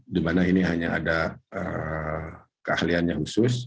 di mana ini hanya ada keahlian yang khusus